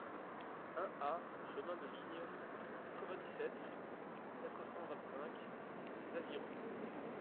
un A chemin de Ligne, quatre-vingt-dix-sept, quatre cent vingt-cinq, Les Avirons